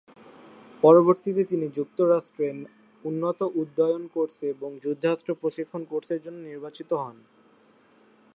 পরবর্তীতে তিনি যুক্তরাষ্ট্রে উন্নত উড্ডয়ন কোর্সে এবং যুদ্ধাস্ত্র প্রশিক্ষণ কোর্সের জন্য নির্বাচিত হন।